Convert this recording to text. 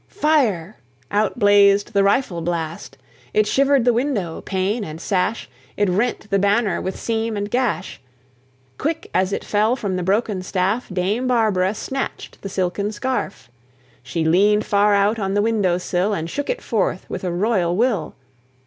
"Fire!" out blazed the rifle blast. It shivered the window, pane and sash; It rent the banner with seam and gash. Quick, as it fell, from the broken staff Dame Barbara snatched the silken scarf. She leaned far out on the window sill, And shook it forth with a royal will.